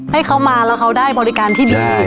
ให้เขามาแล้วเขาได้บริการที่ดี